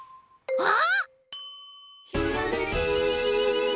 あっ！